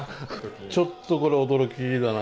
ちょっとこれは驚きだな。